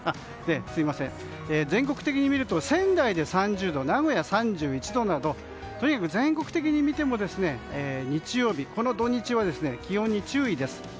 全国的にみると仙台で３０度名古屋、３１度などとにかく全国的に見ても日曜日、この土日は気温に注意です。